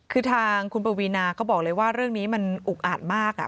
คือทางคุณปวีนาก็บอกเลยว่าเรื่องนี้มันอุกอาดมาก